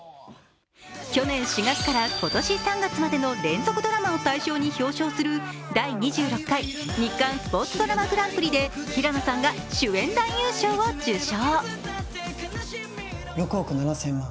去年４月から今年３月までの連続ドラマを対象に表彰する第２６回日刊スポーツドラマグランプリで平野さんが主演男優賞を受賞。